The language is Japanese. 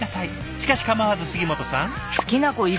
しかし構わず杉本さん。